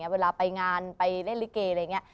เวลาไปงานไปเล่นลิเกอะไรอย่างนี้